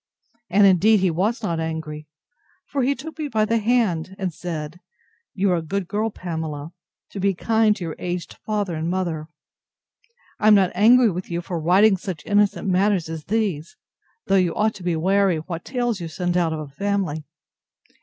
And indeed he was not angry; for he took me by the hand, and said, You are a good girl, Pamela, to be kind to your aged father and mother. I am not angry with you for writing such innocent matters as these: though you ought to be wary what tales you send out of a family.